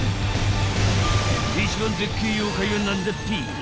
［一番でっけえ妖怪は何だっぺ！？］